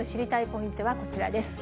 ポイントはこちらです。